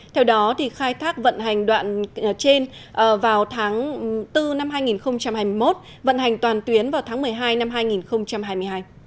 theo đó khai thác vận hành đoạn trên vào tháng bốn năm hai nghìn hai mươi một vận hành toàn tuyến vào tháng một mươi hai năm hai nghìn hai mươi hai